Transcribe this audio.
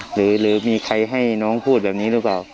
หรือมีใครให้น้องพูดแบบนี้หรือเปล่า